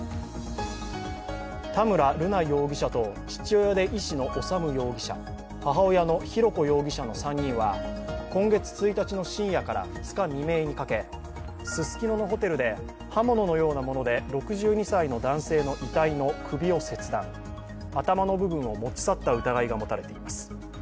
田村瑠奈容疑者と父親で医師の修容疑者母親の浩子容疑者の３人は今月１日の深夜から２日未明にかけススキノのホテルで、刃物のようなもので６２歳の男性の遺体の首を切断頭の部分を持ち去った疑いが持たれています。